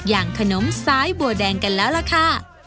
อย่างขนมซ้ายบัวแดงกันแล้วล่ะค่ะ